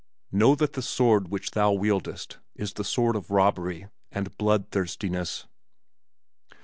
Know that the sword which thou wieldest is the sword of robbery and bloodthirstiness.